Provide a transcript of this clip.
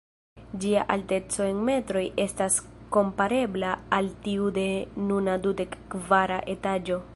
Ĝia alteco en metroj estas komparebla al tiu de nuna dudek kvara etaĝo.